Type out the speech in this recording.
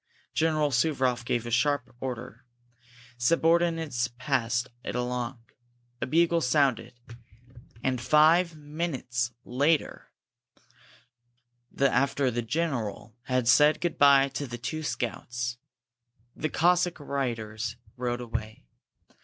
General Suvaroff gave a sharp order; subordinates passed it along. A bugle sounded, and, five minutes later, after the general had said good bye to the two scouts, the Cossack raiders rode away.